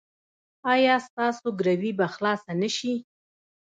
ایا ستاسو ګروي به خلاصه نه شي؟